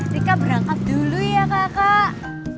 nika berangkat dulu ya kakak